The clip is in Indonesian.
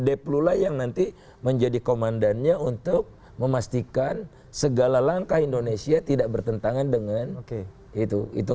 deplu lah yang nanti menjadi komandannya untuk memastikan segala langkah indonesia tidak bertentangan dengan itu